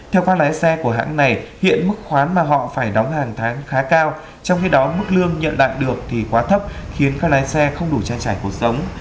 theo các lái xe của hãng này hiện mức khoán mà họ phải đóng hàng tháng khá cao trong khi đó mức lương nhận đạt được thì quá thấp khiến các lái xe không đủ trang trải cuộc sống